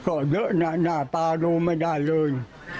ก็เยอะนะหน้าตาดูไม่ได้เลย